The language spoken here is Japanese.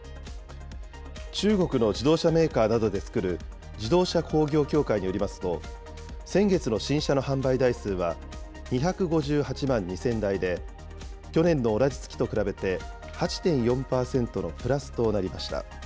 中国の自動車メーカーなどで作る自動車工業協会によりますと、先月の新車の販売台数は、２５８万２０００台で、去年の同じ月と比べて８．４％のプラスとなりました。